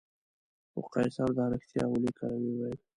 خو قیصر دا رښتیا ولیکل او وویل.